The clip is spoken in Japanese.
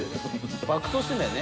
爆走してんだよね？